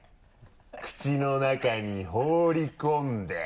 口の中に放り込んで。